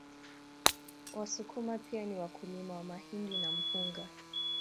Wasukuma pia ni wakulima wa mahindi na mpunga